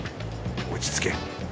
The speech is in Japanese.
落ち着け。